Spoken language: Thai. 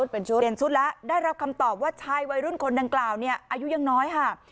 เปลี่ยนชุดแล้วได้รับคำตอบว่าชายวัยรุ่นทางกล่าวเนี่ยอายุยังน้อยห้า